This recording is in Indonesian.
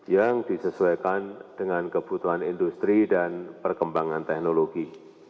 yang disesuaikan dengan kebutuhan industri dan perkembangan teknologi